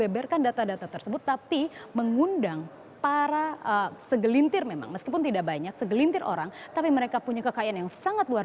berita terkini dari dpr